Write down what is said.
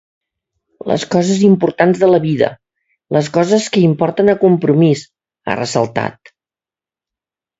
Les coses importants de la vida, les coses que importen a Compromís, ha ressaltat.